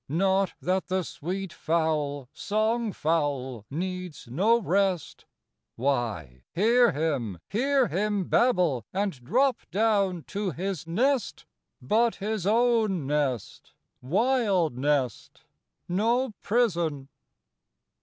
Not that the sweet fowl, song fowl, needs no rest Why, hear him, hear him babble and drop down to his nest, But his own nest, wild nest, no prison.